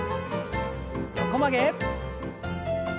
横曲げ。